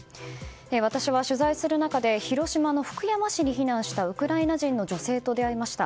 私は取材する中で広島の福山市に避難したウクライナ人の女性と出会いました。